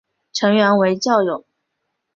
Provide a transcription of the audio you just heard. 成员为教友。